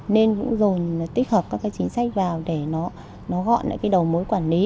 nên cũng dồn tích hợp các cái chính sách vào để nó gọn lại cái đầu mối quản lý